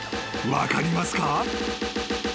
分かりますか？］